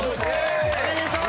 おめでとう！